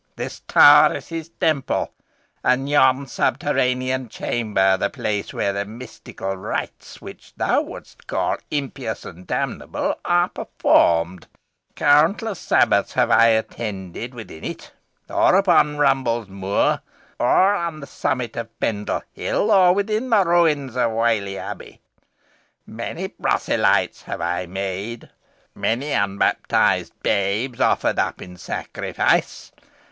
This tower is his temple, and yon subterranean chamber the place where the mystical rites, which thou wouldst call impious and damnable, are performed. Countless sabbaths have I attended within it; or upon Rumbles Moor, or on the summit of Pendle Hill, or within the ruins of Whalley Abbey. Many proselytes have I made; many unbaptised babes offered up in sacrifice.